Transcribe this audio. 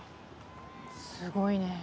すごいね。